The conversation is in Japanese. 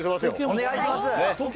お願いします。